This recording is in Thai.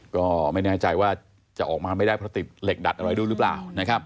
ก็ไม่แน่ใจว่าจะออกมาไม่ได้เพราะติดเหล็กดัดอะไรด้วยหรือเปล่านะครับ